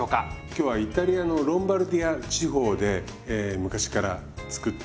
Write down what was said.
今日はイタリアのロンバルディア地方で昔から作ってるリゾットがあるんですね。